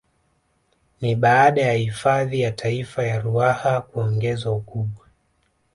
Ni baada ya hifadhi ya Taifa ya Ruaha kuongezwa ukubwa